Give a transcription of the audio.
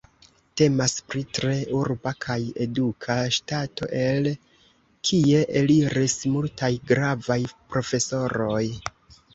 Temas pri tre urba kaj eduka ŝtato, el kie eliris multaj gravaj profesoroj.